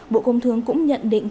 bộ công thương cũng nhận định